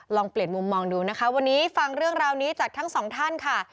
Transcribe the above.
ลองเปลี่ยนมุมมองดูนะคะวันนี้ฟังเรื่องราวนี้จากทั้งสองท่านค่ะ